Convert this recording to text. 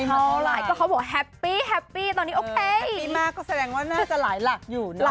เพราะที่เซ็นเข้ามาก็เยอะแล้วค่ะ